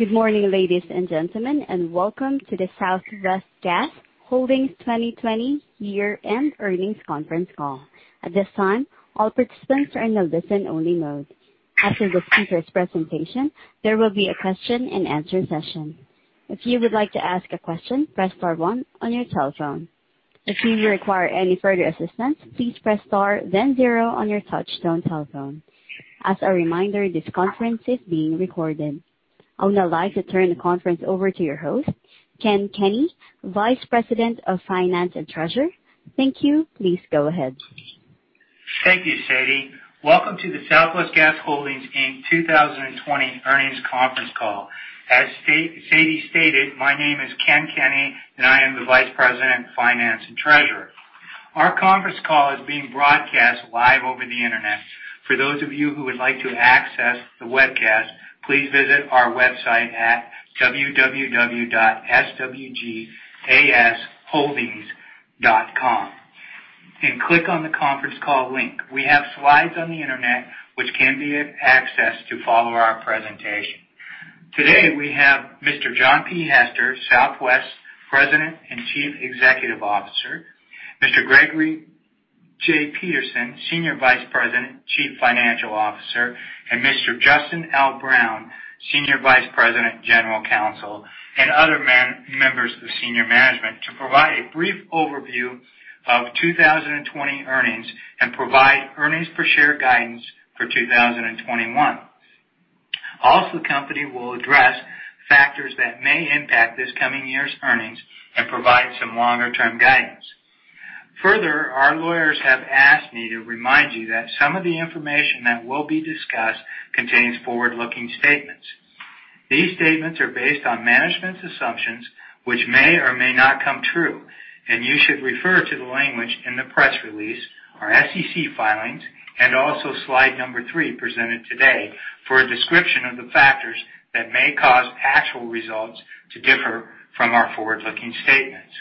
Good morning, ladies and gentlemen, and welcome to the Southwest Gas Holdings 2020 year-end earnings conference call. At this time, all participants are in the listen-only mode. After the speaker's presentation, there will be a question-and-answer session. If you would like to ask a question, press star one on your cell phone. If you require any further assistance, please press star, then zero on your touch-tone cell phone. As a reminder, this conference is being recorded. I would now like to turn the conference over to your host, Ken Kenny, Vice President of Finance and Treasury. Thank you. Please go ahead. Thank you, Sadie. Welcome to the Southwest Gas Holdings 2020 earnings conference call. As Sadie stated, my name is Ken Kenny, and I am the Vice President of Finance and Treasury. Our conference call is being broadcast live over the internet. For those of you who would like to access the webcast, please visit our website at www.swgasholdings.com and click on the conference call link. We have slides on the internet, which can be accessed to follow our presentation. Today, we have Mr. John P. Hester, Southwest President and Chief Executive Officer, Mr. Gregory J. Peterson, Senior Vice President, Chief Financial Officer, and Mr. Justin L. Brown, Senior Vice President, General Counsel, and other members of senior management to provide a brief overview of 2020 earnings and provide earnings-per-share guidance for 2021. Also, the company will address factors that may impact this coming year's earnings and provide some longer-term guidance. Further, our lawyers have asked me to remind you that some of the information that will be discussed contains forward-looking statements. These statements are based on management's assumptions, which may or may not come true, and you should refer to the language in the press release, our SEC filings, and also slide number three presented today for a description of the factors that may cause actual results to differ from our forward-looking statements.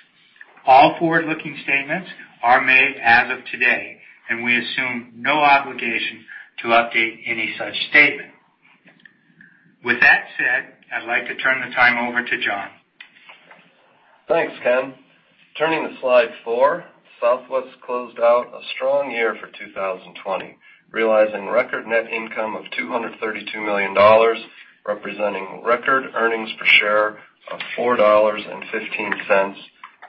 All forward-looking statements are made as of today, and we assume no obligation to update any such statement. With that said, I'd like to turn the time over to John. Thanks, Ken. Turning to slide four, Southwest closed out a strong year for 2020, realizing record net income of $232 million, representing record earnings per share of $4.15,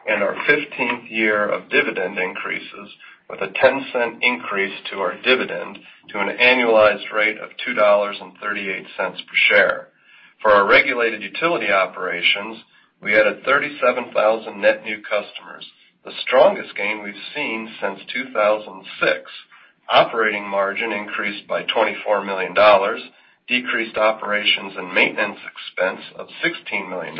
and our 15th year of dividend increases, with a 10-cent increase to our dividend to an annualized rate of $2.38 per share. For our regulated utility operations, we added 37,000 net new customers, the strongest gain we've seen since 2006. Operating margin increased by $24 million, decreased operations and maintenance expense of $16 million,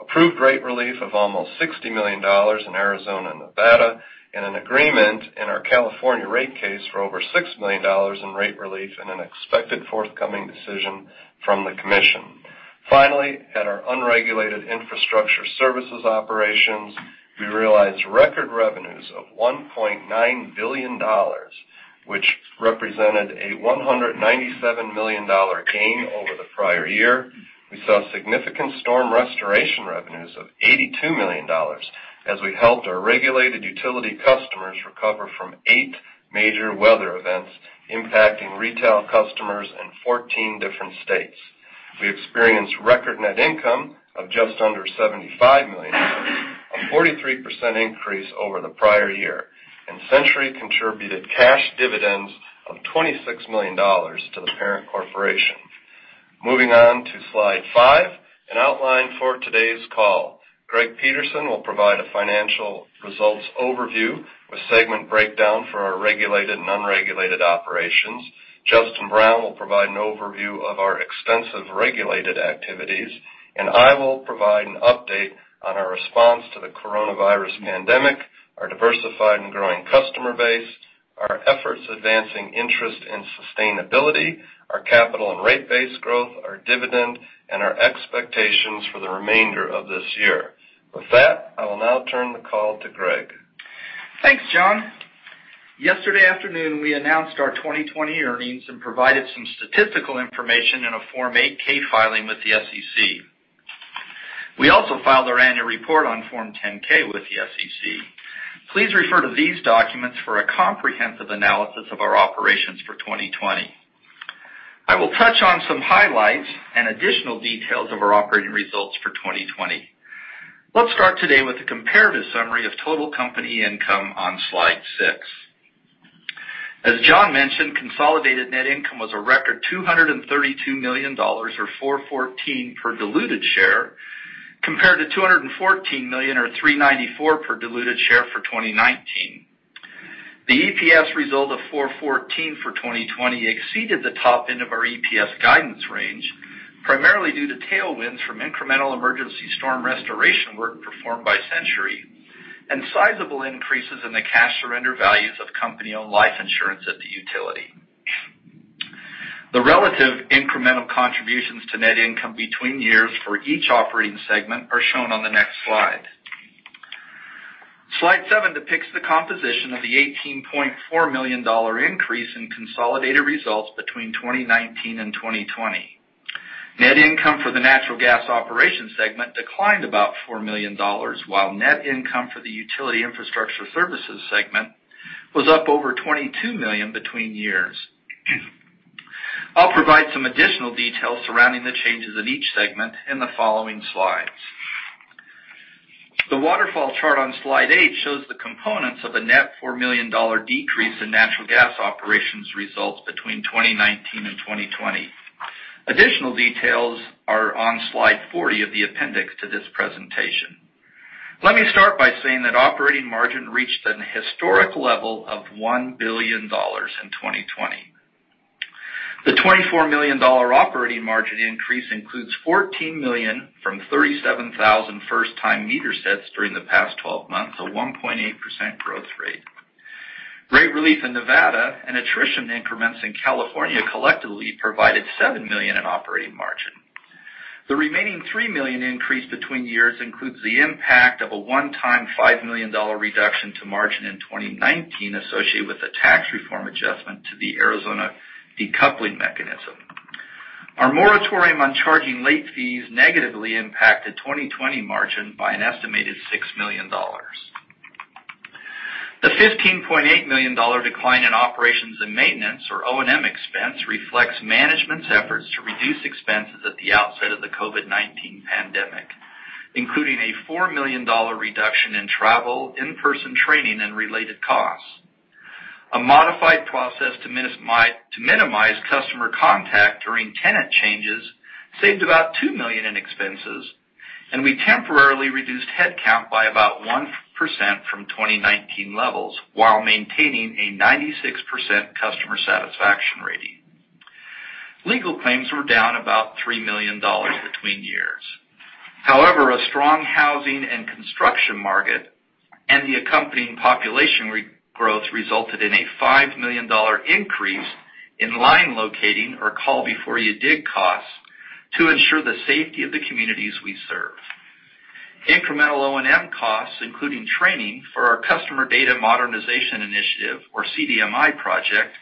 approved rate relief of almost $60 million in Arizona and Nevada, and an agreement in our California rate case for over $6 million in rate relief in an expected forthcoming decision from the commission. Finally, at our unregulated infrastructure services operations, we realized record revenues of $1.9 billion, which represented a $197 million gain over the prior year. We saw significant storm restoration revenues of $82 million as we helped our regulated utility customers recover from eight major weather events impacting retail customers in 14 different states. We experienced record net income of just under $75 million, a 43% increase over the prior year, and Centuri contributed cash dividends of $26 million to the parent corporation. Moving on to slide five and outline for today's call. Greg Peterson will provide a financial results overview with segment breakdown for our regulated and unregulated operations. Justin Brown will provide an overview of our extensive regulated activities, and I will provide an update on our response to the coronavirus pandemic, our diversified and growing customer base, our efforts advancing interest and sustainability, our capital and rate-based growth, our dividend, and our expectations for the remainder of this year. With that, I will now turn the call to Greg. Thanks, John. Yesterday afternoon, we announced our 2020 earnings and provided some statistical information in a Form 8-K filing with the SEC. We also filed our annual report on Form 10-K with the SEC. Please refer to these documents for a comprehensive analysis of our operations for 2020. I will touch on some highlights and additional details of our operating results for 2020. Let's start today with a comparative summary of total company income on slide six. As John mentioned, consolidated net income was a record $232 million, or $4.14 per diluted share, compared to $214 million, or $3.94 per diluted share for 2019. The EPS result of $4.14 for 2020 exceeded the top end of our EPS guidance range, primarily due to tailwinds from incremental emergency storm restoration work performed by Centuri and sizable increases in the cash surrender values of company-owned life insurance at the utility. The relative incremental contributions to net income between years for each operating segment are shown on the next slide. Slide seven depicts the composition of the $18.4 million increase in consolidated results between 2019 and 2020. Net income for the natural gas operation segment declined about $4 million, while net income for the utility infrastructure services segment was up over $22 million between years. I'll provide some additional details surrounding the changes in each segment in the following slides. The waterfall chart on slide eight shows the components of a net $4 million decrease in natural gas operations results between 2019 and 2020. Additional details are on slide 40 of the appendix to this presentation. Let me start by saying that operating margin reached a historic level of $1 billion in 2020. The $24 million operating margin increase includes $14 million from 37,000 first-time meter sets during the past 12 months, a 1.8% growth rate. Rate relief in Nevada and attrition increments in California collectively provided $7 million in operating margin. The remaining $3 million increase between years includes the impact of a one-time $5 million reduction to margin in 2019 associated with a tax reform adjustment to the Arizona decoupling mechanism. Our moratorium on charging late fees negatively impacted 2020 margin by an estimated $6 million. The $15.8 million decline in operations and maintenance, or O&M expense, reflects management's efforts to reduce expenses at the outset of the COVID-19 pandemic, including a $4 million reduction in travel, in-person training, and related costs. A modified process to minimize customer contact during tenant changes saved about $2 million in expenses, and we temporarily reduced headcount by about 1% from 2019 levels while maintaining a 96% customer satisfaction rating. Legal claims were down about $3 million between years. However, a strong housing and construction market and the accompanying population growth resulted in a $5 million increase in line locating, or call-before-you-dig costs, to ensure the safety of the communities we serve. Incremental O&M costs, including training for our Customer Data Modernization Initiative, or CDMI project,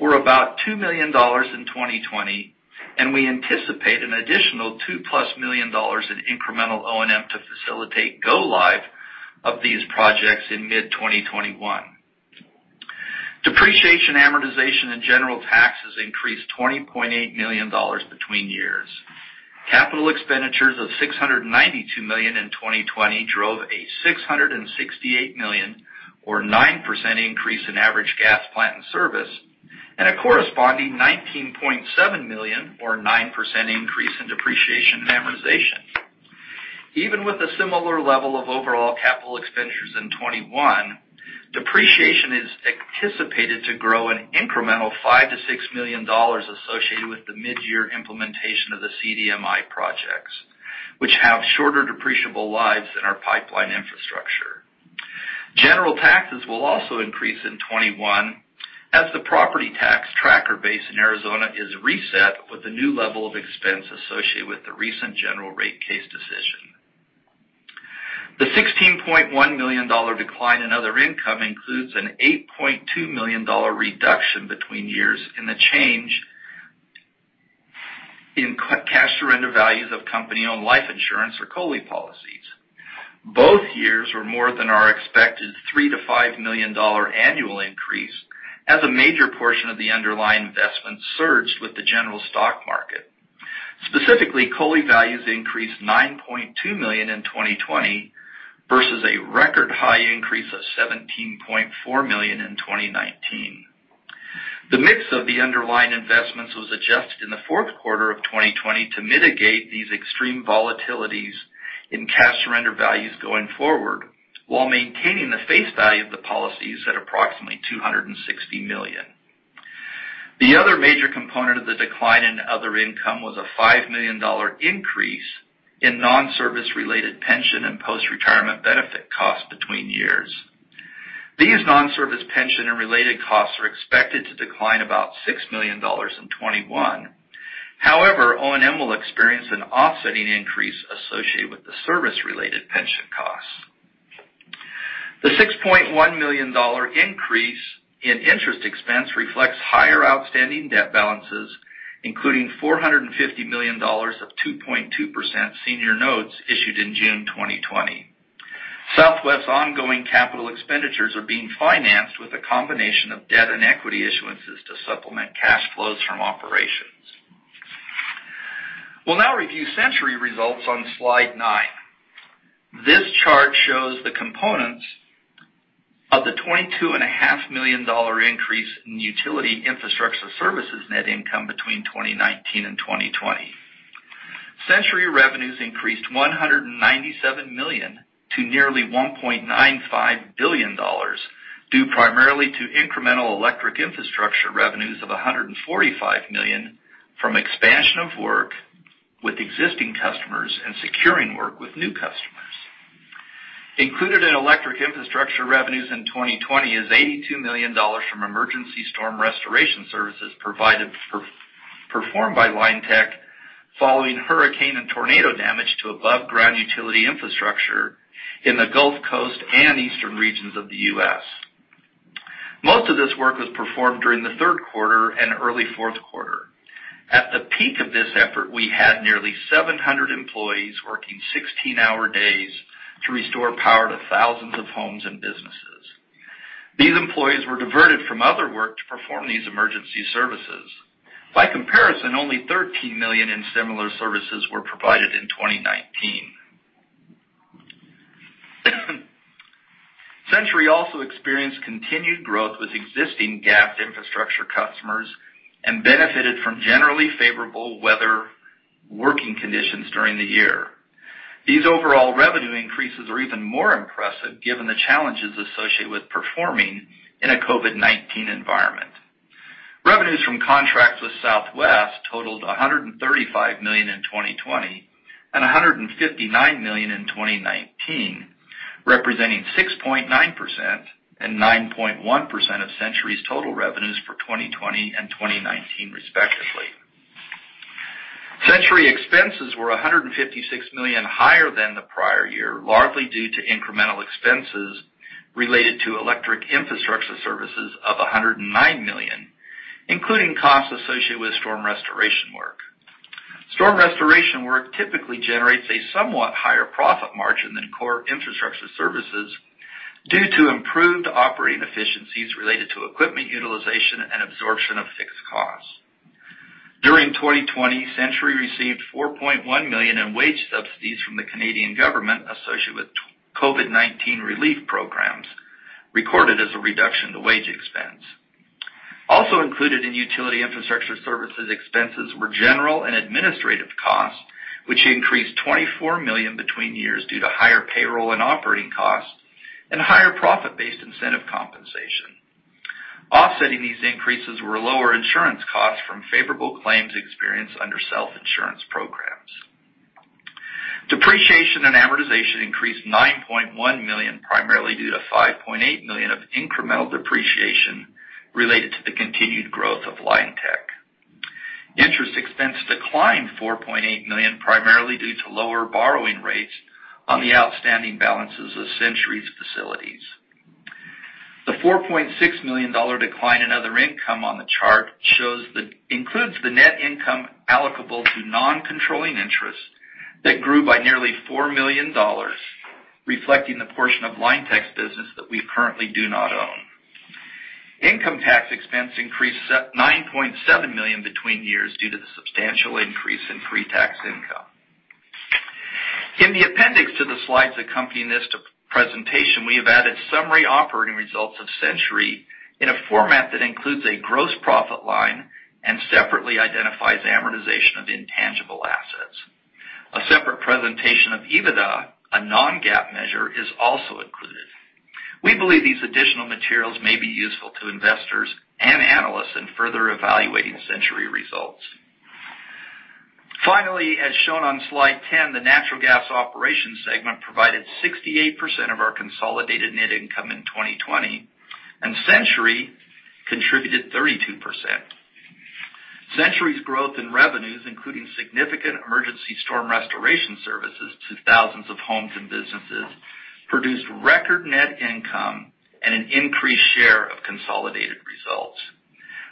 were about $2 million in 2020, and we anticipate an additional $2 million-plus in incremental O&M to facilitate go-live of these projects in mid-2021. Depreciation, amortization, and general taxes increased $20.8 million between years. Capital expenditures of $692 million in 2020 drove a $668 million, or 9% increase in average gas plant and service, and a corresponding $19.7 million, or 9% increase in depreciation and amortization. Even with a similar level of overall capital expenditures in 2021, depreciation is anticipated to grow an incremental $5-$6 million associated with the mid-year implementation of the CDMI projects, which have shorter depreciable lives than our pipeline infrastructure. General taxes will also increase in 2021 as the property tax tracker base in Arizona is reset with a new level of expense associated with the recent general rate case decision. The $16.1 million decline in other income includes an $8.2 million reduction between years in the change in cash surrender values of company-owned life insurance or COLI policies. Both years were more than our expected $3-$5 million annual increase as a major portion of the underlying investment surged with the general stock market. Specifically, COLI values increased $9.2 million in 2020 versus a record high increase of $17.4 million in 2019. The mix of the underlying investments was adjusted in the fourth quarter of 2020 to mitigate these extreme volatilities in cash surrender values going forward while maintaining the face value of the policies at approximately $260 million. The other major component of the decline in other income was a $5 million increase in non-service-related pension and post-retirement benefit costs between years. These non-service pension and related costs are expected to decline about $6 million in 2021. However, O&M will experience an offsetting increase associated with the service-related pension costs. The $6.1 million increase in interest expense reflects higher outstanding debt balances, including $450 million of 2.2% senior notes issued in June 2020. Southwest's ongoing capital expenditures are being financed with a combination of debt and equity issuances to supplement cash flows from operations. We'll now review Centuri results on slide nine. This chart shows the components of the $22.5 million increase in utility infrastructure services net income between 2019 and 2020. Centuri revenues increased $197 million to nearly $1.95 billion, due primarily to incremental electric infrastructure revenues of $145 million from expansion of work with existing customers and securing work with new customers. Included in electric infrastructure revenues in 2020 is $82 million from emergency storm restoration services performed by Linetec following hurricane and tornado damage to above-ground utility infrastructure in the Gulf Coast and eastern regions of the U.S. Most of this work was performed during the third quarter and early fourth quarter. At the peak of this effort, we had nearly 700 employees working 16-hour days to restore power to thousands of homes and businesses. These employees were diverted from other work to perform these emergency services. By comparison, only $13 million in similar services were provided in 2019. Centuri also experienced continued growth with existing gas infrastructure customers and benefited from generally favorable weather working conditions during the year. These overall revenue increases are even more impressive given the challenges associated with performing in a COVID-19 environment. Revenues from contracts with Southwest totaled $135 million in 2020 and $159 million in 2019, representing 6.9% and 9.1% of Centuri's total revenues for 2020 and 2019, respectively. Centuri expenses were $156 million higher than the prior year, largely due to incremental expenses related to electric infrastructure services of $109 million, including costs associated with storm restoration work. Storm restoration work typically generates a somewhat higher profit margin than core infrastructure services due to improved operating efficiencies related to equipment utilization and absorption of fixed costs. During 2020, Centuri received $4.1 million in wage subsidies from the Canadian government associated with COVID-19 relief programs, recorded as a reduction to wage expense. Also included in utility infrastructure services expenses were general and administrative costs, which increased $24 million between years due to higher payroll and operating costs and higher profit-based incentive compensation. Offsetting these increases were lower insurance costs from favorable claims experienced under self-insurance programs. Depreciation and amortization increased $9.1 million, primarily due to $5.8 million of incremental depreciation related to the continued growth of Linetec. Interest expense declined $4.8 million, primarily due to lower borrowing rates on the outstanding balances of Centuri's facilities. The $4.6 million decline in other income on the chart includes the net income allocable to non-controlling interest that grew by nearly $4 million, reflecting the portion of Linetec's business that we currently do not own. Income tax expense increased $9.7 million between years due to the substantial increase in pre-tax income. In the appendix to the slides accompanying this presentation, we have added summary operating results of Centuri in a format that includes a gross profit line and separately identifies amortization of intangible assets. A separate presentation of EBITDA, a non-GAAP measure, is also included. We believe these additional materials may be useful to investors and analysts in further evaluating Centuri results. Finally, as shown on slide ten, the natural gas operation segment provided 68% of our consolidated net income in 2020, and Centuri contributed 32%. Centuri's growth in revenues, including significant emergency storm restoration services to thousands of homes and businesses, produced record net income and an increased share of consolidated results.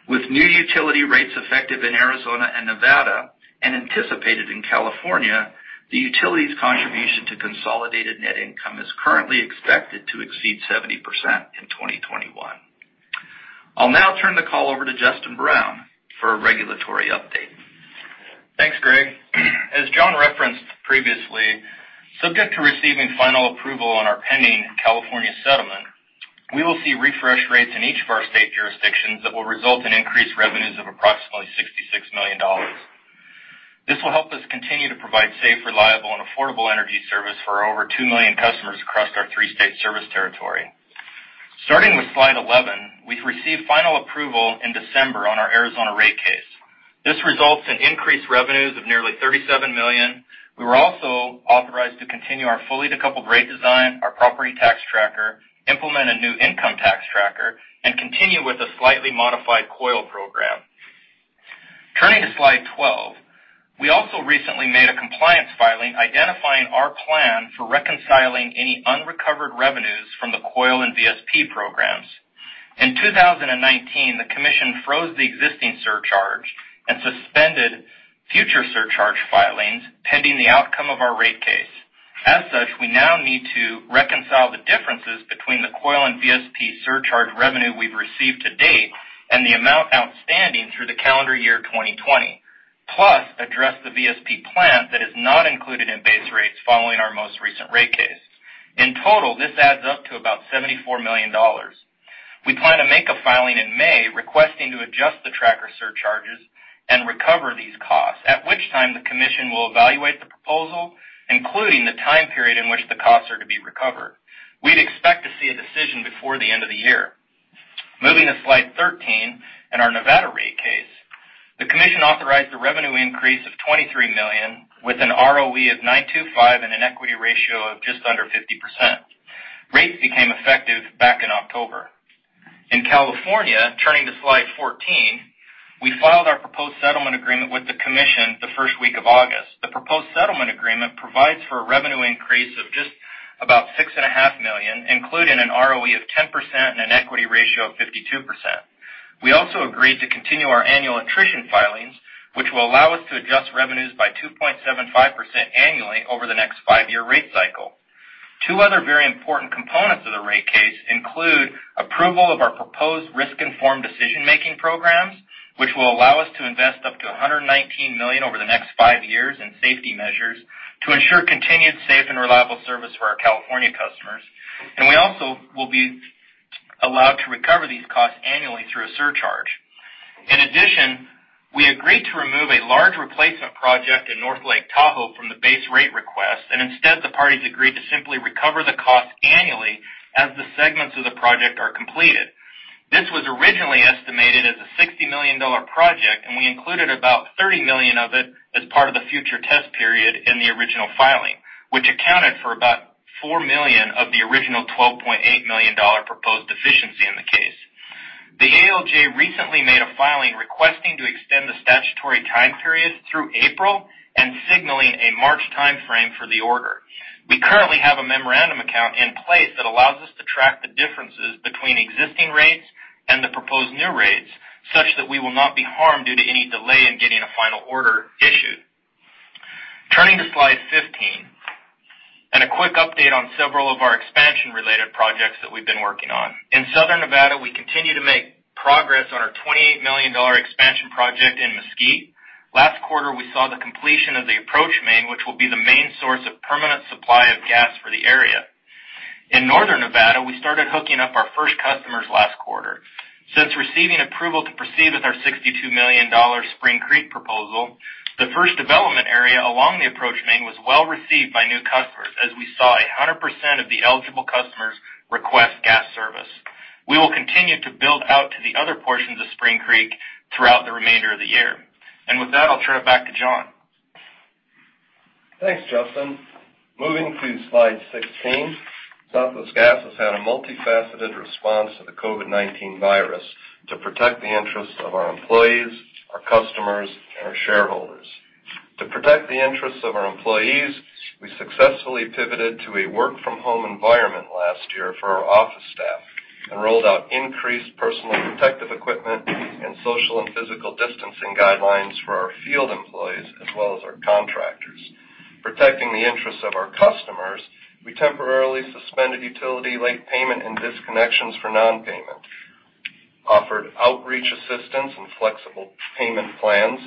With new utility rates effective in Arizona and Nevada, and anticipated in California, the utility's contribution to consolidated net income is currently expected to exceed 70% in 2021. I'll now turn the call over to Justin Brown for a regulatory update. Thanks, Greg. As John referenced previously, subject to receiving final approval on our pending California settlement, we will see refresh rates in each of our state jurisdictions that will result in increased revenues of approximately $66 million. This will help us continue to provide safe, reliable, and affordable energy service for over 2 million customers across our three-state service territory. Starting with slide 11, we've received final approval in December on our Arizona rate case. This results in increased revenues of nearly $37 million. We were also authorized to continue our fully decoupled rate design, our property tax tracker, implement a new income tax tracker, and continue with a slightly modified COLI program. Turning to slide 12, we also recently made a compliance filing identifying our plan for reconciling any unrecovered revenues from the COLI and VSP programs. In 2019, the Commission froze the existing surcharge and suspended future surcharge filings pending the outcome of our rate case. As such, we now need to reconcile the differences between the COLI and VSP surcharge revenue we've received to date and the amount outstanding through the calendar year 2020, plus address the VSP plan that is not included in base rates following our most recent rate case. In total, this adds up to about $74 million. We plan to make a filing in May requesting to adjust the tracker surcharges and recover these costs, at which time the Commission will evaluate the proposal, including the time period in which the costs are to be recovered. We'd expect to see a decision before the end of the year. Moving to slide 13, in our Nevada rate case, the Commission authorized a revenue increase of $23 million with an ROE of 9.25% and an equity ratio of just under 50%. Rates became effective back in October. In California, turning to slide 14, we filed our proposed settlement agreement with the Commission the first week of August. The proposed settlement agreement provides for a revenue increase of just about $6.5 million, including an ROE of 10% and an equity ratio of 52%. We also agreed to continue our annual attrition filings, which will allow us to adjust revenues by 2.75% annually over the next five-year rate cycle. Two other very important components of the rate case include approval of our proposed risk-informed decision-making programs, which will allow us to invest up to $119 million over the next five years in safety measures to ensure continued safe and reliable service for our California customers. We also will be allowed to recover these costs annually through a surcharge. In addition, we agreed to remove a large replacement project in North Lake Tahoe from the base rate request, and instead, the parties agreed to simply recover the costs annually as the segments of the project are completed. This was originally estimated as a $60 million project, and we included about $30 million of it as part of the future test period in the original filing, which accounted for about $4 million of the original $12.8 million proposed deficiency in the case. The ALJ recently made a filing requesting to extend the statutory time period through April and signaling a March timeframe for the order. We currently have a memorandum account in place that allows us to track the differences between existing rates and the proposed new rates, such that we will not be harmed due to any delay in getting a final order issued. Turning to slide 15 and a quick update on several of our expansion-related projects that we've been working on. In southern Nevada, we continue to make progress on our $28 million expansion project in Mesquite. Last quarter, we saw the completion of the approach main, which will be the main source of permanent supply of gas for the area. In northern Nevada, we started hooking up our first customers last quarter. Since receiving approval to proceed with our $62 million Spring Creek proposal, the first development area along the approach main was well received by new customers, as we saw 100% of the eligible customers request gas service. We will continue to build out to the other portions of Spring Creek throughout the remainder of the year. With that, I'll turn it back to John. Thanks, Justin. Moving to slide 16, Southwest Gas has had a multifaceted response to the COVID-19 virus to protect the interests of our employees, our customers, and our shareholders. To protect the interests of our employees, we successfully pivoted to a work-from-home environment last year for our office staff and rolled out increased personal protective equipment and social and physical distancing guidelines for our field employees as well as our contractors. Protecting the interests of our customers, we temporarily suspended utility late payment and disconnections for non-payment, offered outreach assistance and flexible payment plans,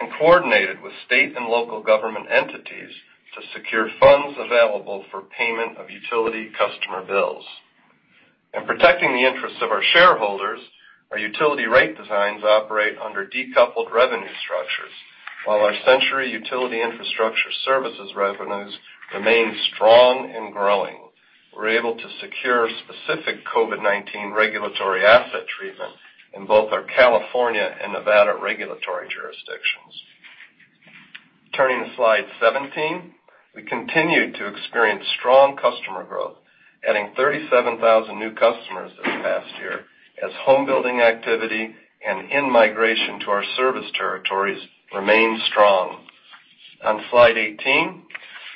and coordinated with state and local government entities to secure funds available for payment of utility customer bills. In protecting the interests of our shareholders, our utility rate designs operate under decoupled revenue structures, while our Centuri utility infrastructure services revenues remain strong and growing. We're able to secure specific COVID-19 regulatory asset treatment in both our California and Nevada regulatory jurisdictions. Turning to slide 17, we continue to experience strong customer growth, adding 37,000 new customers this past year as home-building activity and in-migration to our service territories remain strong. On slide 18,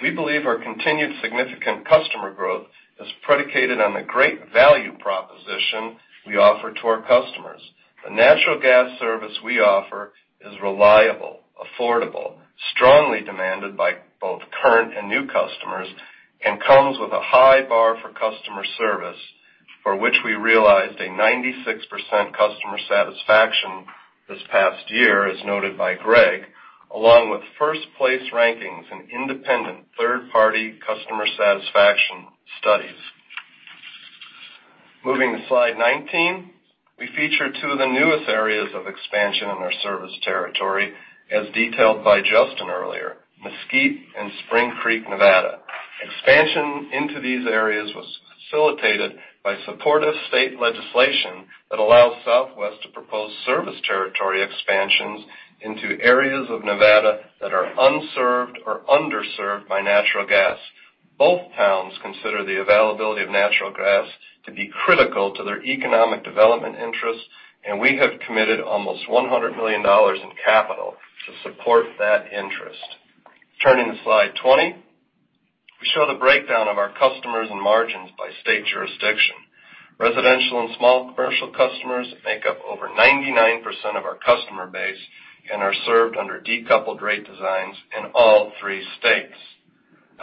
we believe our continued significant customer growth is predicated on the great value proposition we offer to our customers. The natural gas service we offer is reliable, affordable, strongly demanded by both current and new customers, and comes with a high bar for customer service, for which we realized a 96% customer satisfaction this past year, as noted by Greg, along with first-place rankings in independent third-party customer satisfaction studies. Moving to slide 19, we feature two of the newest areas of expansion in our service territory, as detailed by Justin earlier, Mesquite and Spring Creek, Nevada. Expansion into these areas was facilitated by supportive state legislation that allows Southwest to propose service territory expansions into areas of Nevada that are unserved or underserved by natural gas. Both towns consider the availability of natural gas to be critical to their economic development interests, and we have committed almost $100 million in capital to support that interest. Turning to slide 20, we show the breakdown of our customers and margins by state jurisdiction. Residential and small commercial customers make up over 99% of our customer base and are served under decoupled rate designs in all three states.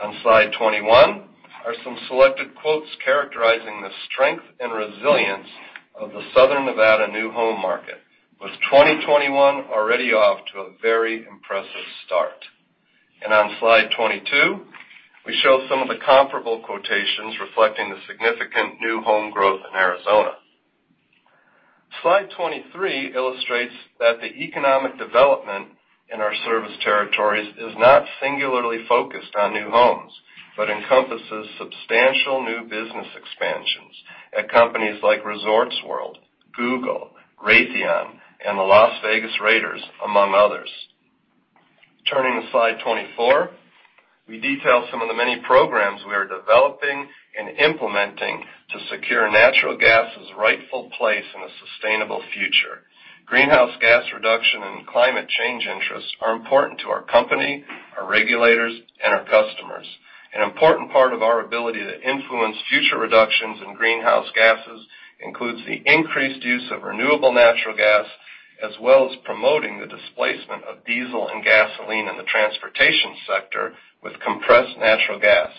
On slide 21 are some selected quotes characterizing the strength and resilience of the southern Nevada new home market, with 2021 already off to a very impressive start. On slide 22, we show some of the comparable quotations reflecting the significant new home growth in Arizona. Slide 23 illustrates that the economic development in our service territories is not singularly focused on new homes, but encompasses substantial new business expansions at companies like Resorts World, Google, Raytheon, and the Las Vegas Raiders, among others. Turning to slide 24, we detail some of the many programs we are developing and implementing to secure natural gas's rightful place in a sustainable future. Greenhouse gas reduction and climate change interests are important to our company, our regulators, and our customers. An important part of our ability to influence future reductions in greenhouse gases includes the increased use of renewable natural gas, as well as promoting the displacement of diesel and gasoline in the transportation sector with compressed natural gas.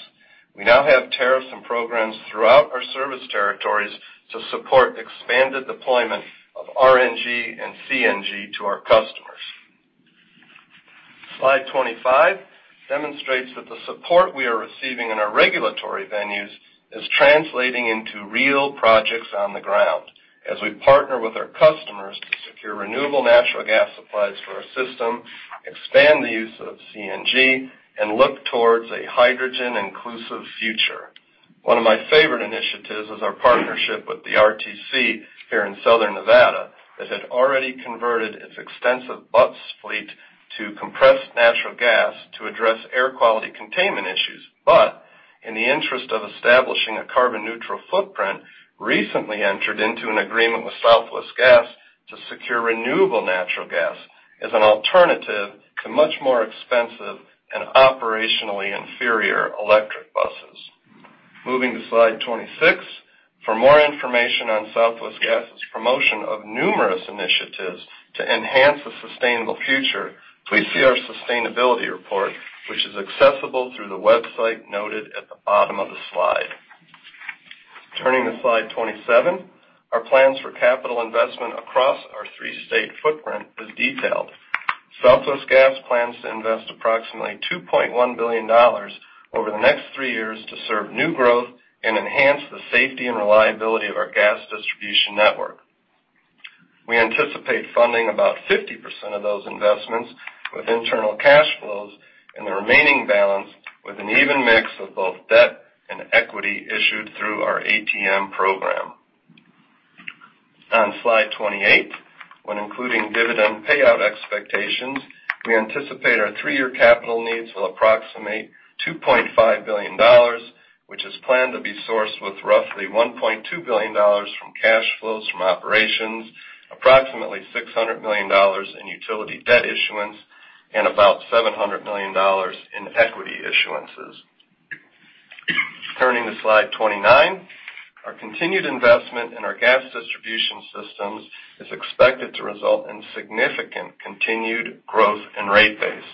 We now have tariffs and programs throughout our service territories to support expanded deployment of RNG and CNG to our customers. Slide 25 demonstrates that the support we are receiving in our regulatory venues is translating into real projects on the ground, as we partner with our customers to secure renewable natural gas supplies for our system, expand the use of CNG, and look towards a hydrogen-inclusive future. One of my favorite initiatives is our partnership with the RTC here in southern Nevada that had already converted its extensive bus fleet to compressed natural gas to address air quality containment issues, but in the interest of establishing a carbon-neutral footprint, recently entered into an agreement with Southwest Gas to secure renewable natural gas as an alternative to much more expensive and operationally inferior electric buses. Moving to slide 26, for more information on Southwest Gas's promotion of numerous initiatives to enhance the sustainable future, please see our sustainability report, which is accessible through the website noted at the bottom of the slide. Turning to slide 27, our plans for capital investment across our three-state footprint is detailed. Southwest Gas plans to invest approximately $2.1 billion over the next three years to serve new growth and enhance the safety and reliability of our gas distribution network. We anticipate funding about 50% of those investments with internal cash flows and the remaining balance with an even mix of both debt and equity issued through our ATM program. On slide 28, when including dividend payout expectations, we anticipate our three-year capital needs will approximate $2.5 billion, which is planned to be sourced with roughly $1.2 billion from cash flows from operations, approximately $600 million in utility debt issuance, and about $700 million in equity issuances. Turning to slide 29, our continued investment in our gas distribution systems is expected to result in significant continued growth in rate base,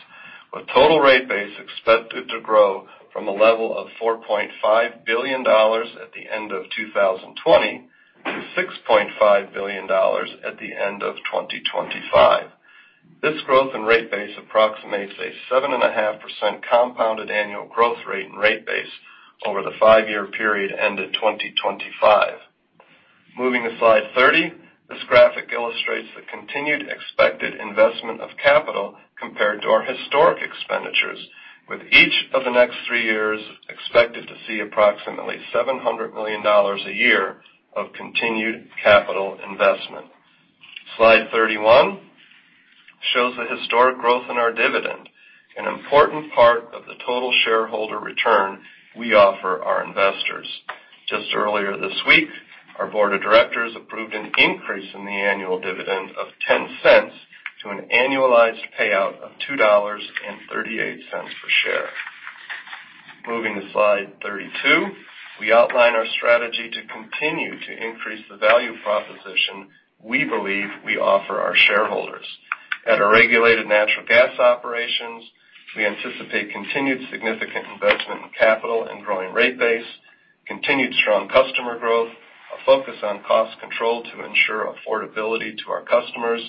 with total rate base expected to grow from a level of $4.5 billion at the end of 2020 to $6.5 billion at the end of 2025. This growth in rate base approximates a 7.5% compounded annual growth rate in rate base over the five-year period ended 2025. Moving to slide 30, this graphic illustrates the continued expected investment of capital compared to our historic expenditures, with each of the next three years expected to see approximately $700 million a year of continued capital investment. Slide 31 shows the historic growth in our dividend, an important part of the total shareholder return we offer our investors. Just earlier this week, our board of directors approved an increase in the annual dividend of $0.10 to an annualized payout of $2.38 per share. Moving to slide 32, we outline our strategy to continue to increase the value proposition we believe we offer our shareholders. At our regulated natural gas operations, we anticipate continued significant investment in capital and growing rate base, continued strong customer growth, a focus on cost control to ensure affordability to our customers,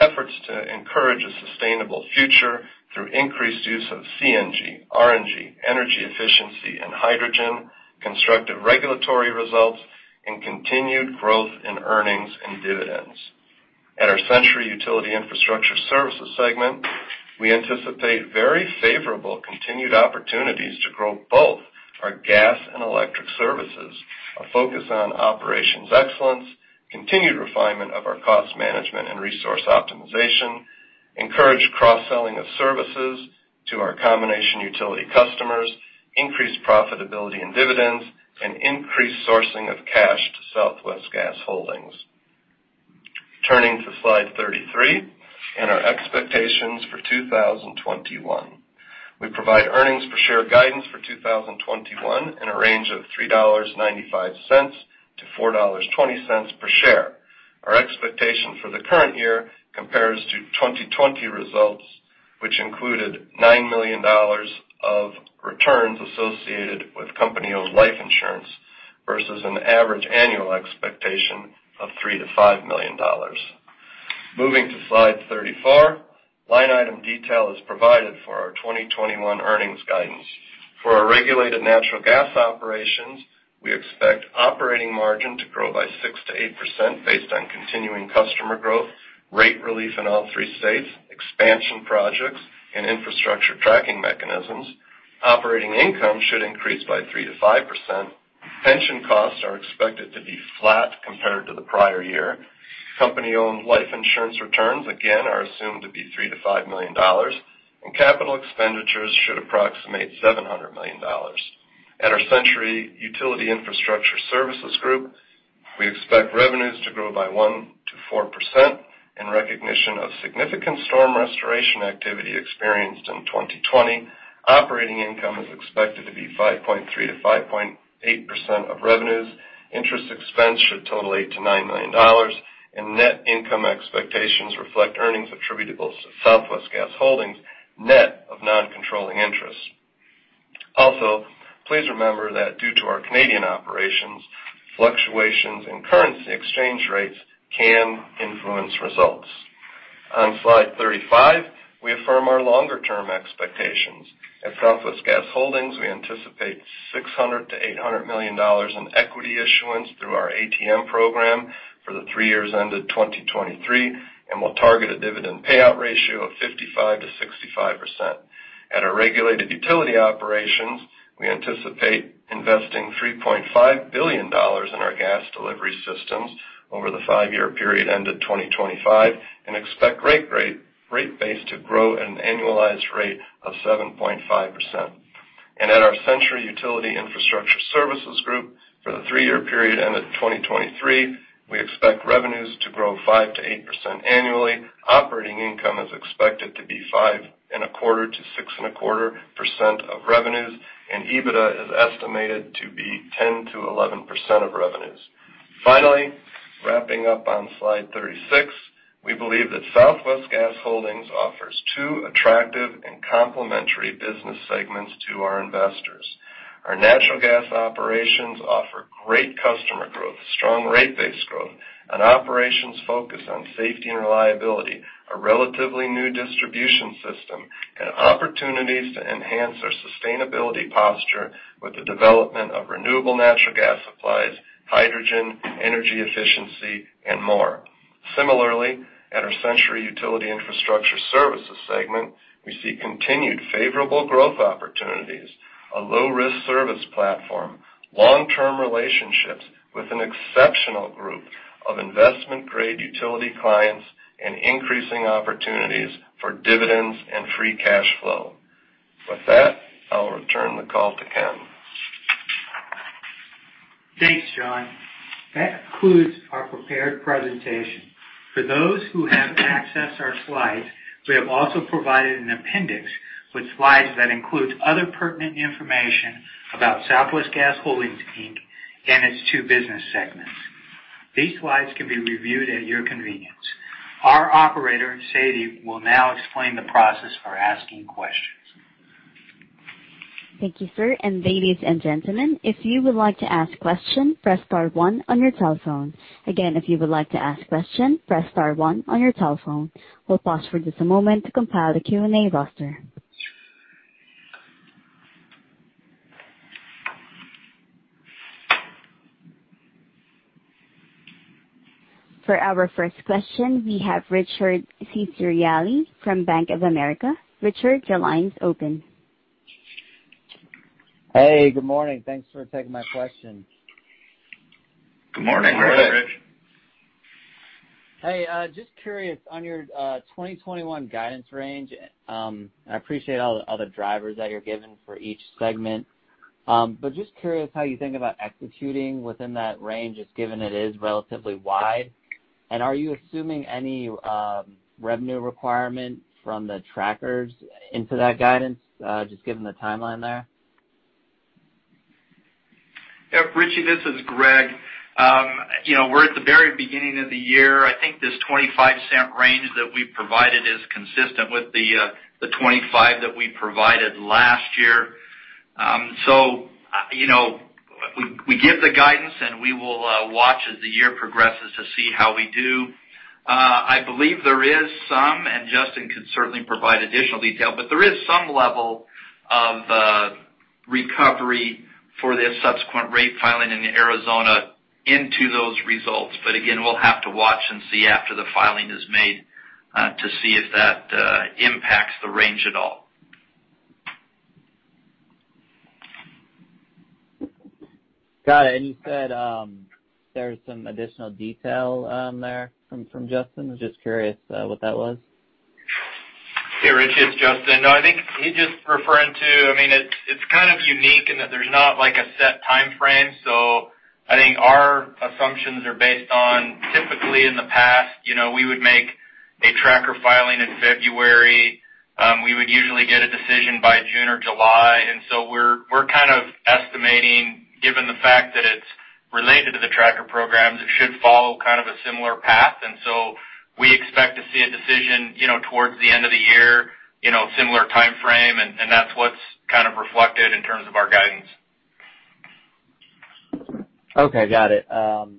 efforts to encourage a sustainable future through increased use of CNG, RNG, energy efficiency, and hydrogen, constructive regulatory results, and continued growth in earnings and dividends. At our Centuri utility infrastructure services segment, we anticipate very favorable continued opportunities to grow both our gas and electric services, a focus on operations excellence, continued refinement of our cost management and resource optimization, encourage cross-selling of services to our combination utility customers, increase profitability and dividends, and increase sourcing of cash to Southwest Gas Holdings. Turning to slide 33 and our expectations for 2021, we provide earnings per share guidance for 2021 in a range of $3.95-$4.20 per share. Our expectation for the current year compares to 2020 results, which included $9 million of returns associated with company-owned life insurance versus an average annual expectation of $3-$5 million. Moving to slide 34, line item detail is provided for our 2021 earnings guidance. For our regulated natural gas operations, we expect operating margin to grow by 6%-8% based on continuing customer growth, rate relief in all three states, expansion projects, and infrastructure tracking mechanisms. Operating income should increase by 3%-5%. Pension costs are expected to be flat compared to the prior year. Company-owned life insurance returns, again, are assumed to be $3-$5 million, and capital expenditures should approximate $700 million. At our Centuri utility infrastructure services group, we expect revenues to grow by 1%-4% in recognition of significant storm restoration activity experienced in 2020. Operating income is expected to be 5.3-5.8% of revenues. Interest expense should total $8-$9 million, and net income expectations reflect earnings attributable to Southwest Gas Holdings net of non-controlling interest. Also, please remember that due to our Canadian operations, fluctuations in currency exchange rates can influence results. On slide 35, we affirm our longer-term expectations. At Southwest Gas Holdings, we anticipate $600-$800 million in equity issuance through our ATM program for the three years ended 2023, and we'll target a dividend payout ratio of 55-65%. At our regulated utility operations, we anticipate investing $3.5 billion in our gas delivery systems over the five-year period ended 2025 and expect rate base to grow at an annualized rate of 7.5%. At our Centuri utility infrastructure services group, for the three-year period ended 2023, we expect revenues to grow 5-8% annually. Operating income is expected to be 5.25%-6.25% of revenues, and EBITDA is estimated to be 10%-11% of revenues. Finally, wrapping up on slide 36, we believe that Southwest Gas Holdings offers two attractive and complementary business segments to our investors. Our natural gas operations offer great customer growth, strong rate-based growth, an operations focus on safety and reliability, a relatively new distribution system, and opportunities to enhance our sustainability posture with the development of renewable natural gas supplies, hydrogen, energy efficiency, and more. Similarly, at our Centuri utility infrastructure services segment, we see continued favorable growth opportunities, a low-risk service platform, long-term relationships with an exceptional group of investment-grade utility clients, and increasing opportunities for dividends and free cash flow. With that, I'll return the call to Ken. Thanks, John. That concludes our prepared presentation. For those who haven't accessed our slides, we have also provided an appendix with slides that include other pertinent information about Southwest Gas Holdings and its two business segments. These slides can be reviewed at your convenience. Our operator, Sadie, will now explain the process for asking questions. Thank you, sir. Ladies and gentlemen, if you would like to ask a question, press star one on your telephone. Again, if you would like to ask a question, press star one on your telephone. We'll pause for just a moment to compile the Q&A roster. For our first question, we have Richard Cesarelli from Bank of America. Richard, your line is open. Hey, good morning. Thanks for taking my question. Good morning. Hey, Richard. Hey, just curious on your 2021 guidance range. I appreciate all the drivers that you're giving for each segment, but just curious how you think about executing within that range, just given it is relatively wide. Are you assuming any revenue requirement from the trackers into that guidance, just given the timeline there? Yeah, Richie, this is Greg. We're at the very beginning of the year. I think this $0.25 range that we provided is consistent with the $0.25 that we provided last year. We give the guidance, and we will watch as the year progresses to see how we do. I believe there is some, and Justin could certainly provide additional detail, but there is some level of recovery for this subsequent rate filing in Arizona into those results. Again, we will have to watch and see after the filing is made to see if that impacts the range at all. Got it. You said there's some additional detail there from Justin. I'm just curious what that was. Yeah, Richie, it's Justin. No, I think he just referred to, I mean, it's kind of unique in that there's not a set timeframe. I think our assumptions are based on typically in the past, we would make a tracker filing in February. We would usually get a decision by June or July. We are kind of estimating, given the fact that it's related to the tracker programs, it should follow kind of a similar path. We expect to see a decision towards the end of the year, similar timeframe, and that's what's kind of reflected in terms of our guidance. Got it.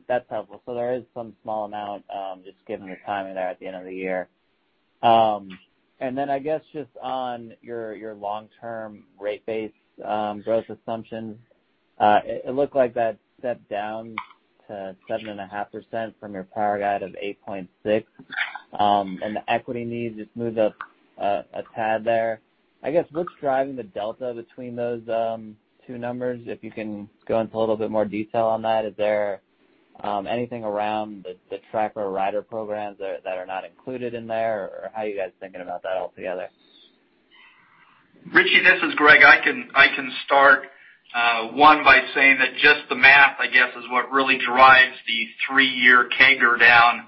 That's helpful. There is some small amount just given the timing there at the end of the year. I guess just on your long-term rate-based growth assumptions, it looked like that stepped down to 7.5% from your prior guide of 8.6%, and the equity needs just moved up a tad there. I guess what's driving the delta between those two numbers? If you can go into a little bit more detail on that, is there anything around the tracker rider programs that are not included in there, or how are you guys thinking about that altogether? Richie, this is Greg. I can start one by saying that just the math, I guess, is what really drives the three-year CAGR down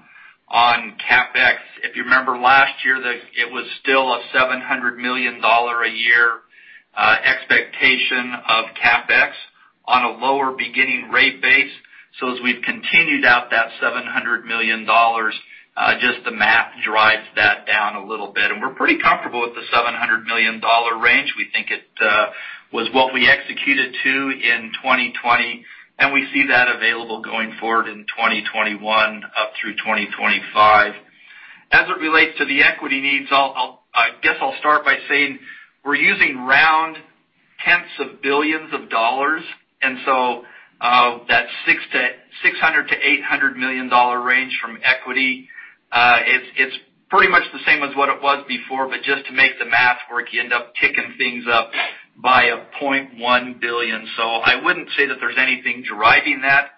on CapEx. If you remember last year, it was still a $700 million a year expectation of CapEx on a lower beginning rate base. As we've continued out that $700 million, just the math drives that down a little bit. We're pretty comfortable with the $700 million range. We think it was what we executed to in 2020, and we see that available going forward in 2021 up through 2025. As it relates to the equity needs, I guess I'll start by saying we're using round tenths of billions of dollars. That $600 million-$800 million range from equity, it's pretty much the same as what it was before, but just to make the math work, you end up ticking things up by a 0.1 billion. I wouldn't say that there's anything driving that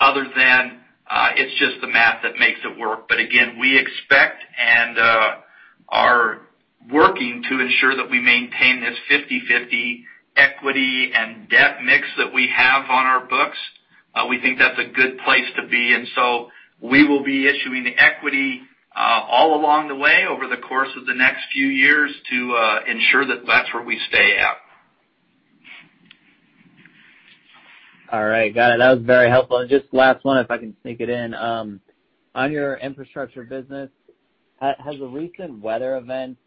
other than it's just the math that makes it work. Again, we expect and are working to ensure that we maintain this 50/50 equity and debt mix that we have on our books. We think that's a good place to be. We will be issuing the equity all along the way over the course of the next few years to ensure that that is where we stay at. All right. Got it. That was very helpful. Just last one, if I can sneak it in. On your infrastructure business, has the recent weather events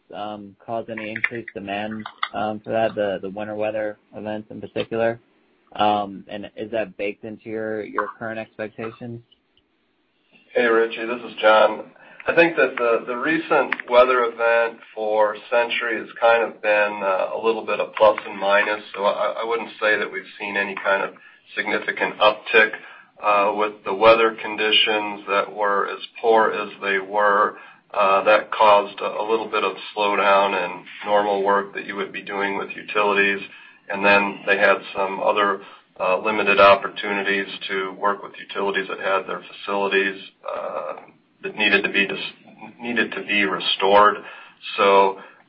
caused any increased demand for that, the winter weather events in particular? And is that baked into your current expectations? Hey, Richie, this is John. I think that the recent weather event for Centuri has kind of been a little bit of plus and minus. I would not say that we have seen any kind of significant uptick with the weather conditions that were as poor as they were. That caused a little bit of slowdown in normal work that you would be doing with utilities. They had some other limited opportunities to work with utilities that had their facilities that needed to be restored.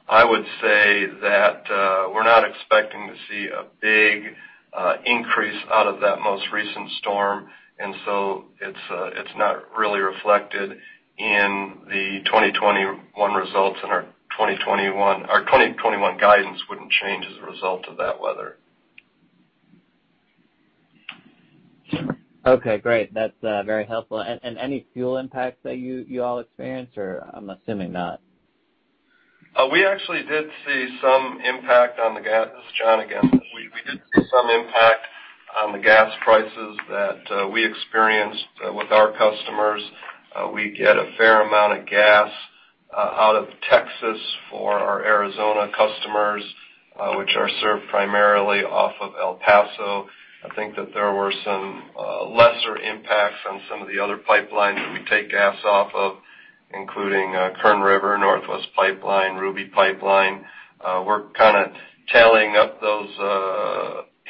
I would say that we're not expecting to see a big increase out of that most recent storm. It is not really reflected in the 2021 results, and our 2021 guidance would not change as a result of that weather. Okay, great. That is very helpful. Any fuel impacts that you all experienced, or I am assuming not? We actually did see some impact on the gas. This is John again. We did see some impact on the gas prices that we experienced with our customers. We get a fair amount of gas out of Texas for our Arizona customers, which are served primarily off of El Paso. I think that there were some lesser impacts on some of the other pipelines that we take gas off of, including Kern River, Northwest Pipeline, Ruby Pipeline. We're kind of tallying up those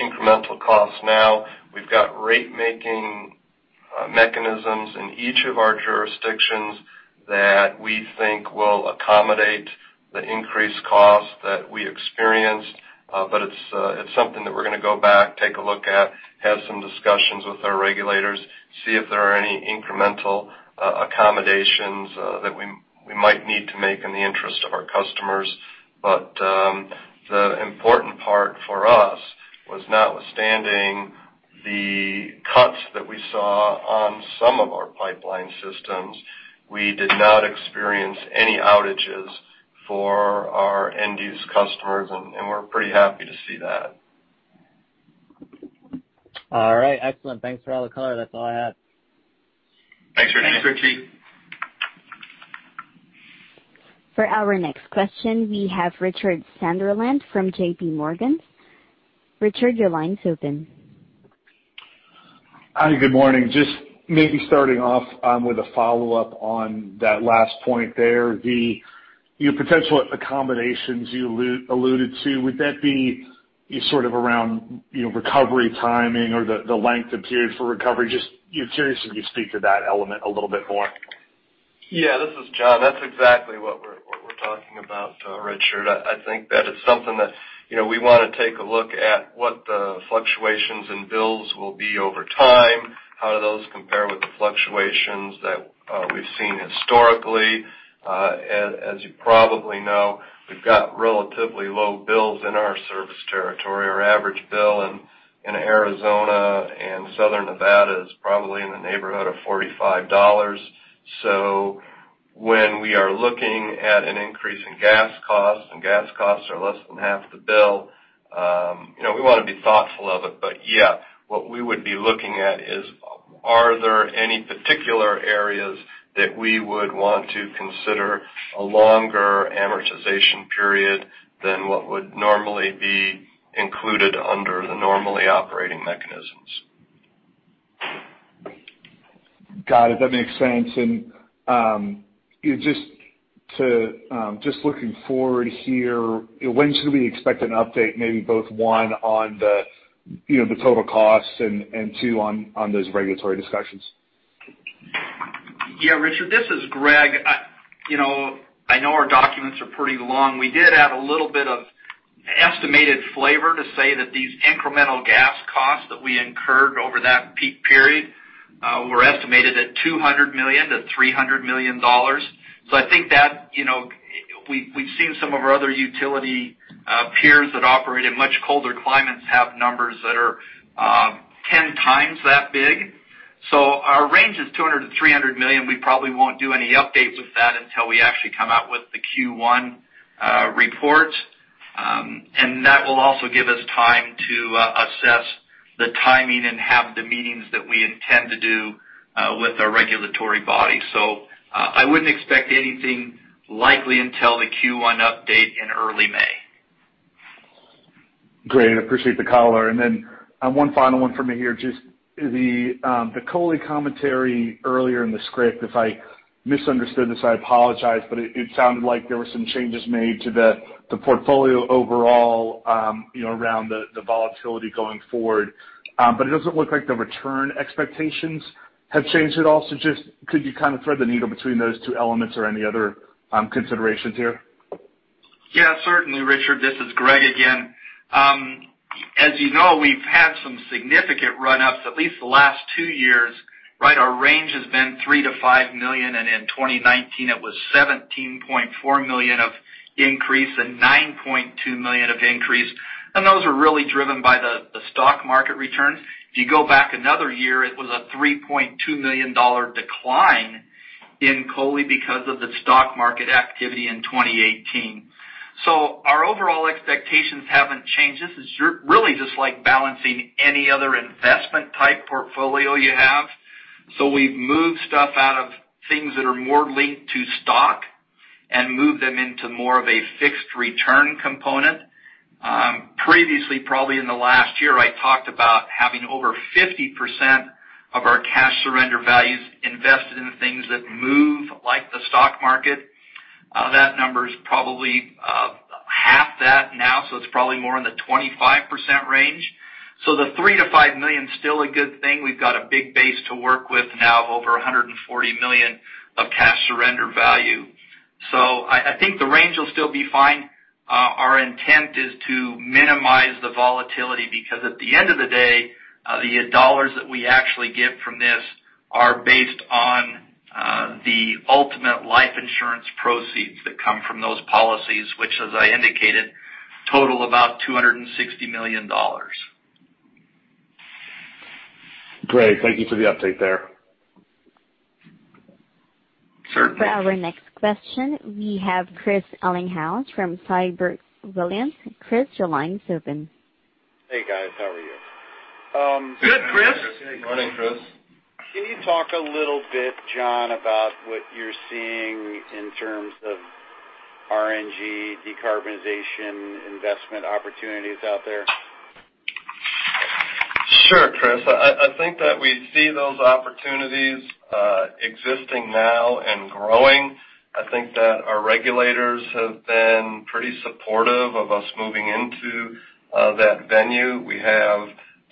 incremental costs now. We've got rate-making mechanisms in each of our jurisdictions that we think will accommodate the increased costs that we experienced. It is something that we're going to go back, take a look at, have some discussions with our regulators, see if there are any incremental accommodations that we might need to make in the interest of our customers. The important part for us was, notwithstanding the cuts that we saw on some of our pipeline systems, we did not experience any outages for our end-use customers, and we're pretty happy to see that. All right. Excellent. Thanks for all the color. That's all I have. Thanks, Richie. Thanks, Richie. For our next question, we have Richard Sunderland from J.P. Morgan. Richard, your line is open. Hi, good morning. Just maybe starting off with a follow-up on that last point there, the potential accommodations you alluded to, would that be sort of around recovery timing or the length of period for recovery? Just curious if you speak to that element a little bit more. Yeah, this is John. That's exactly what we're talking about, Richard. I think that it's something that we want to take a look at, what the fluctuations in bills will be over time, how do those compare with the fluctuations that we've seen historically. As you probably know, we've got relatively low bills in our service territory. Our average bill in Arizona and Southern Nevada is probably in the neighborhood of $45. When we are looking at an increase in gas costs and gas costs are less than half the bill, we want to be thoughtful of it. What we would be looking at is, are there any particular areas that we would want to consider a longer amortization period than what would normally be included under the normally operating mechanisms? Got it. That makes sense. Just looking forward here, when should we expect an update, maybe both one on the total costs and two on those regulatory discussions? Yeah, Richard, this is Greg. I know our documents are pretty long. We did add a little bit of estimated flavor to say that these incremental gas costs that we incurred over that peak period were estimated at $200 million-$300 million. I think that we've seen some of our other utility peers that operate in much colder climates have numbers that are 10 times that big. Our range is $200 million-$300 million. We probably won't do any update with that until we actually come out with the Q1 reports. That will also give us time to assess the timing and have the meetings that we intend to do with our regulatory body. I wouldn't expect anything likely until the Q1 update in early May. Great. I appreciate the color. One final one from me here, just the COLI commentary earlier in the script, if I misunderstood this, I apologize, but it sounded like there were some changes made to the portfolio overall around the volatility going forward. It doesn't look like the return expectations have changed at all. Could you kind of thread the needle between those two elements or any other considerations here? Yeah, certainly, Richard. This is Greg again. As you know, we've had some significant run-ups at least the last two years. Right? Our range has been $3 million-$5 million, and in 2019, it was $17.4 million of increase and $9.2 million of increase. Those are really driven by the stock market returns. If you go back another year, it was a $3.2 million decline in COLI because of the stock market activity in 2018. Our overall expectations haven't changed. This is really just like balancing any other investment-type portfolio you have. We've moved stuff out of things that are more linked to stock and moved them into more of a fixed return component. Previously, probably in the last year, I talked about having over 50% of our cash surrender values invested in things that move like the stock market. That number is probably half that now, so it's probably more in the 25% range. The $3 million-$5 million is still a good thing. We've got a big base to work with now of over $140 million of cash surrender value. I think the range will still be fine. Our intent is to minimize the volatility because at the end of the day, the dollars that we actually get from this are based on the ultimate life insurance proceeds that come from those policies, which, as I indicated, total about $260 million. Great. Thank you for the update there. Certainly. For our next question, we have Chris Ellinghaus from Siebert Williams. Chris, your line is open. Hey, guys. How are you? Good, Chris. Good morning, Chris. Can you talk a little bit, John, about what you're seeing in terms of RNG decarbonization investment opportunities out there? Sure, Chris. I think that we see those opportunities existing now and growing. I think that our regulators have been pretty supportive of us moving into that venue. We have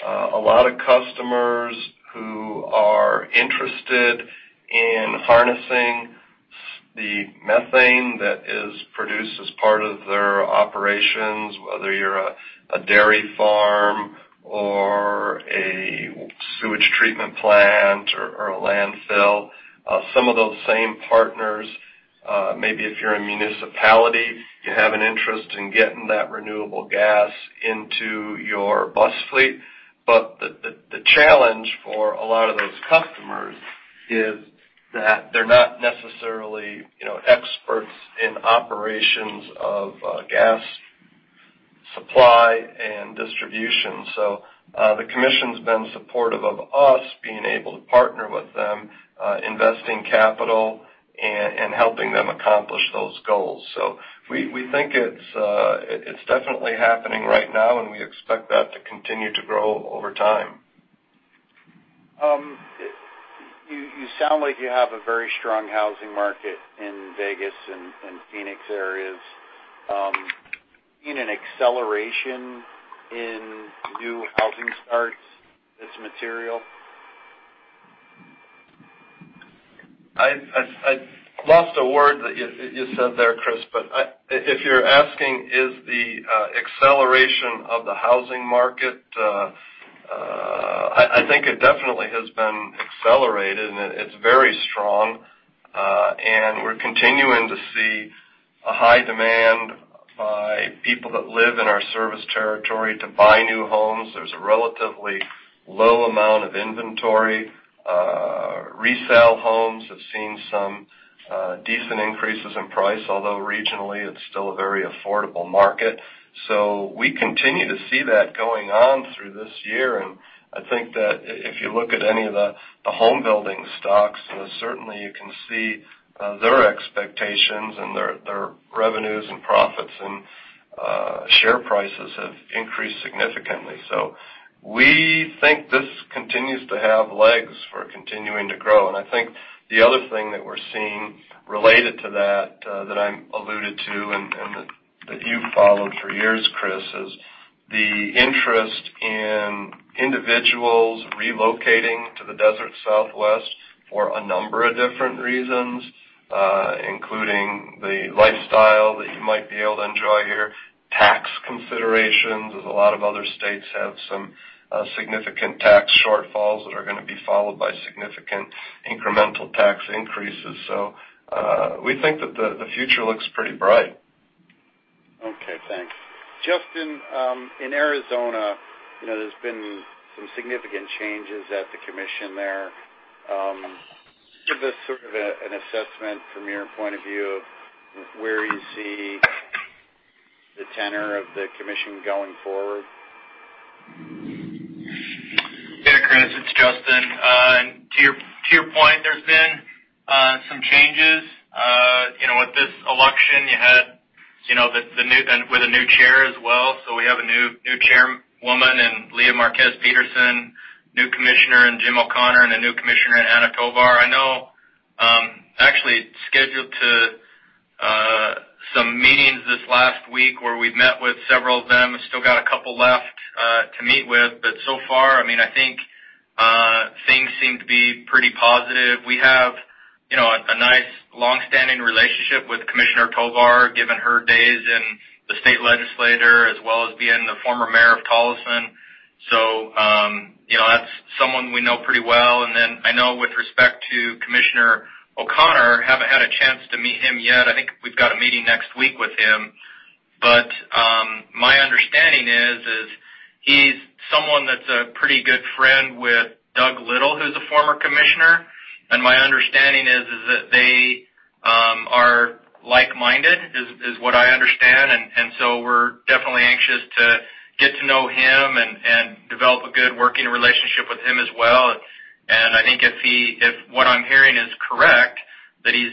a lot of customers who are interested in harnessing the methane that is produced as part of their operations, whether you're a dairy farm or a sewage treatment plant or a landfill. Some of those same partners, maybe if you're a municipality, you have an interest in getting that renewable gas into your bus fleet. The challenge for a lot of those customers is that they're not necessarily experts in operations of gas supply and distribution. The commission's been supportive of us being able to partner with them, investing capital, and helping them accomplish those goals. We think it's definitely happening right now, and we expect that to continue to grow over time. You sound like you have a very strong housing market in Vegas and Phoenix areas. Do you see an acceleration in new housing starts that's material? I lost a word that you said there, Chris, but if you're asking is the acceleration of the housing market, I think it definitely has been accelerated, and it's very strong. We're continuing to see a high demand by people that live in our service territory to buy new homes. There's a relatively low amount of inventory. Resale homes have seen some decent increases in price, although regionally, it's still a very affordable market. We continue to see that going on through this year. I think that if you look at any of the home building stocks, certainly you can see their expectations and their revenues and profits and share prices have increased significantly. We think this continues to have legs for continuing to grow. I think the other thing that we're seeing related to that that I alluded to and that you've followed for years, Chris, is the interest in individuals relocating to the Desert Southwest for a number of different reasons, including the lifestyle that you might be able to enjoy here, tax considerations, as a lot of other states have some significant tax shortfalls that are going to be followed by significant incremental tax increases. We think that the future looks pretty bright. Okay. Thanks. Justin, in Arizona, there's been some significant changes at the commission there. Give us sort of an assessment from your point of view of where you see the tenor of the commission going forward. Yeah, Chris, it's Justin. To your point, there's been some changes. With this election, you had the new with a new chair as well. We have a new chairwoman in Lea Marquez Peterson, new commissioner in Jim O'Connor, and a new commissioner in Anna Tovar. I know actually scheduled some meetings this last week where we've met with several of them. I still got a couple left to meet with. So far, I mean, I think things seem to be pretty positive. We have a nice long-standing relationship with Commissioner Tovar, given her days in the state legislature as well as being the former mayor of Tolleson. That's someone we know pretty well. I know with respect to Commissioner O'Connor, haven't had a chance to meet him yet. I think we've got a meeting next week with him. My understanding is he's someone that's a pretty good friend with Doug Little, who's a former commissioner. My understanding is that they are like-minded, is what I understand. We're definitely anxious to get to know him and develop a good working relationship with him as well. I think if what I'm hearing is correct, that he's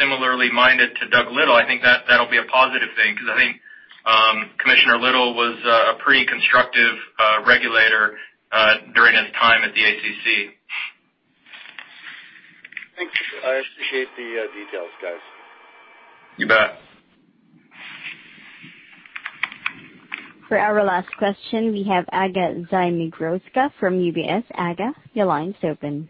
similarly minded to Doug Little, I think that'll be a positive thing because I think Commissioner Little was a pretty constructive regulator during his time at the ACC. Thanks. I appreciate the details, guys. You bet. For our last question, we have Aga Zmigrodzka from UBS. Aga, your line is open.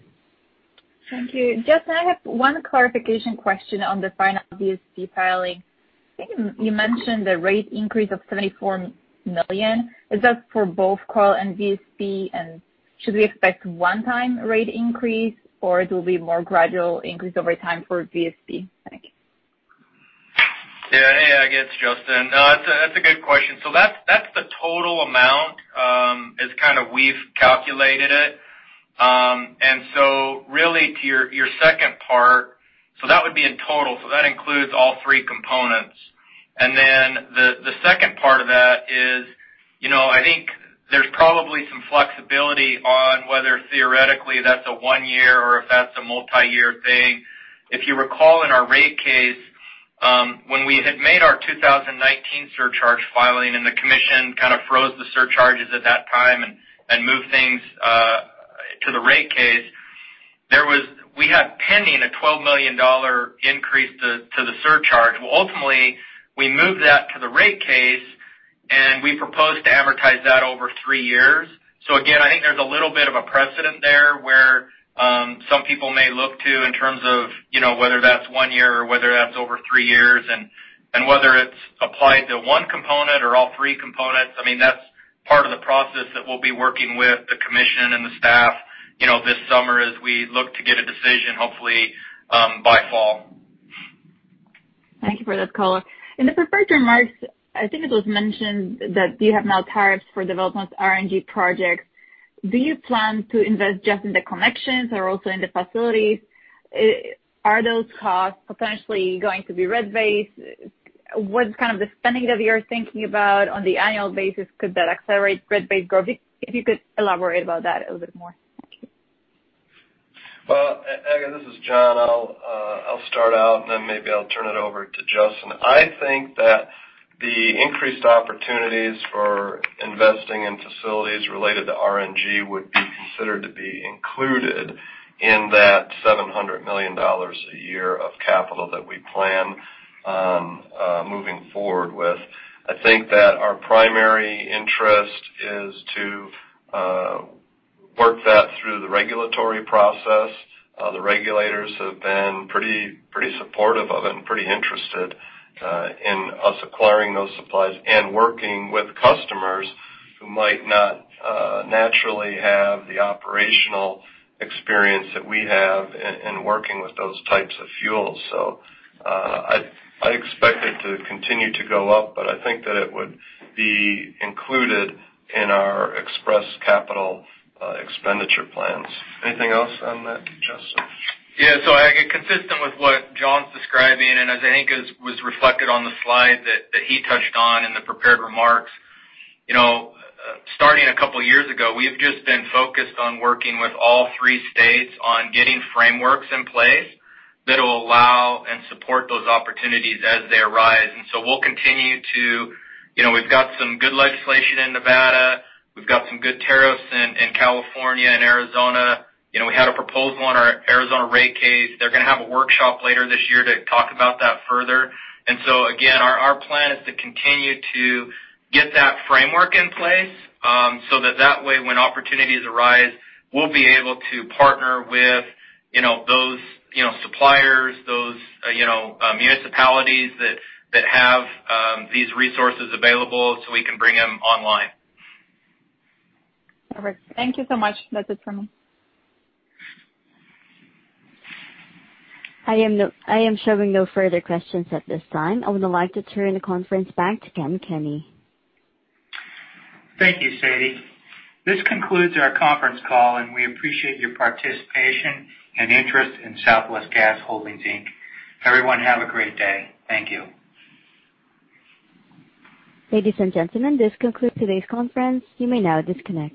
Thank you. Justin, I have one clarification question on the final VSP filing. You mentioned the rate increase of $74 million. Is that for both COYL and VSP, and should we expect a one-time rate increase, or will it be a more gradual increase over time for VSP? Thank you. Yeah. Hey, Aga, it's Justin. No, that's a good question. That total amount is kind of how we've calculated it. Really to your second part, that would be in total. That includes all three components. The second part of that is I think there's probably some flexibility on whether theoretically that's a one-year or if that's a multi-year thing. If you recall in our rate case, when we had made our 2019 surcharge filing and the commission kind of froze the surcharges at that time and moved things to the rate case, we had pending a $12 million increase to the surcharge. Ultimately, we moved that to the rate case, and we proposed to amortize that over three years. I think there's a little bit of a precedent there where some people may look to in terms of whether that's one year or whether that's over three years and whether it's applied to one component or all three components. I mean, that's part of the process that we'll be working with the commission and the staff this summer as we look to get a decision, hopefully, by fall. Thank you for this caller. In the preferred remarks, I think it was mentioned that you have now tariffs for development RNG projects. Do you plan to invest just in the connections or also in the facilities? Are those costs potentially going to be rate base? What's kind of the spending that you're thinking about on the annual basis? Could that accelerate rate base growth? If you could elaborate about that a little bit more. Thank you. Again, this is John. I'll start out, and then maybe I'll turn it over to Justin. I think that the increased opportunities for investing in facilities related to RNG would be considered to be included in that $700 million a year of capital that we plan on moving forward with. I think that our primary interest is to work that through the regulatory process. The regulators have been pretty supportive of it and pretty interested in us acquiring those supplies and working with customers who might not naturally have the operational experience that we have in working with those types of fuels. I expect it to continue to go up, but I think that it would be included in our express capital expenditure plans. Anything else on that, Justin? Yeah. I think consistent with what John's describing and as I think was reflected on the slide that he touched on in the prepared remarks, starting a couple of years ago, we've just been focused on working with all three states on getting frameworks in place that will allow and support those opportunities as they arise. We'll continue to we've got some good legislation in Nevada. We've got some good tariffs in California and Arizona. We had a proposal on our Arizona rate case. They're going to have a workshop later this year to talk about that further. Our plan is to continue to get that framework in place so that that way, when opportunities arise, we'll be able to partner with those suppliers, those municipalities that have these resources available so we can bring them online. Perfect. Thank you so much. That's it for me. I am showing no further questions at this time. I would like to turn the conference back to Ken Kenny. Thank you, Sadie. This concludes our conference call, and we appreciate your participation and interest in Southwest Gas Holdings. Everyone have a great day. Thank you. Ladies and gentlemen, this concludes today's conference. You may now disconnect.